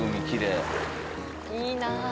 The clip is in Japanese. いいな！